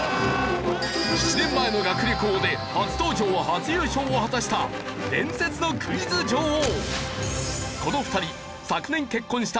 ７年前の学力王で初登場初優勝を果たした伝説のクイズ女王。